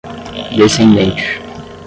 descendente